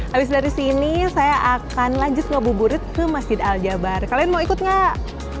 habis dari sini saya akan lanjut ngabuburit ke masjid al jabar kalian mau ikut gak